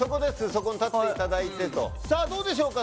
そこに立っていただいてさあどうでしょうか？